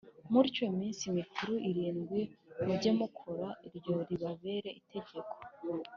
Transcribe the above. mutyo iminsi mikuru irindwi mujye mukora Iryo ribabere itegeko